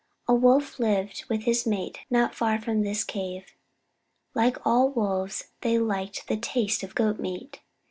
A Wolf lived with his mate not far from this cave. Like all Wolves they liked the taste of Goat meat.